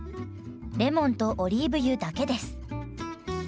レモンとオリーブ油だけです。